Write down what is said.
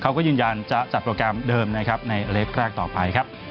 เขาก็ยืนยันจะจัดโปรแกรมเดิมนะครับในเล็กแรกต่อไปครับ